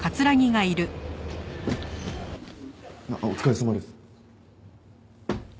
あっお疲れさまです。